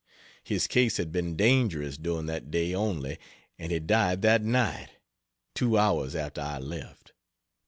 His case had been dangerous during that day only and he died that night, two hours after I left.